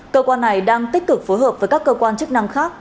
cơ quan này đang tích cực phối hợp với các cơ quan chức năng khác